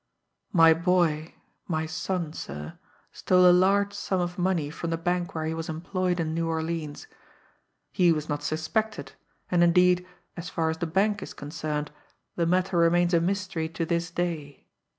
"My boy, my son, sir, stole a large sum of money from the bank where he was employed in New Orleans. He was not suspected; and indeed, as far as the bank is concerned, the matter remains a mystery to this day.